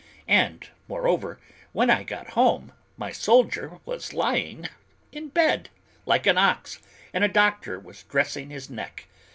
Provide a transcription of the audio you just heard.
And moreover, when I got home, my soldier was lying in bed, like an ox, and a doctor was dressing his neck!